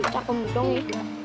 capek muntung ini